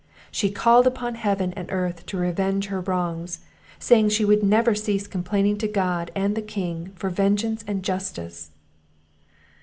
She called upon Heaven and earth to revenge her wrongs; saying, she would never cease complaining to God, and the King, for vengeance and justice.